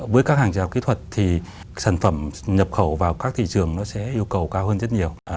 với các hàng rào kỹ thuật thì sản phẩm nhập khẩu vào các thị trường nó sẽ yêu cầu cao hơn rất nhiều